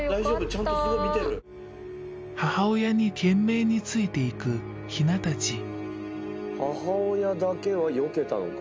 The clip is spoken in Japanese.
ちゃんとすごい見てる母親に懸命についていくヒナ達母親だけはよけたのか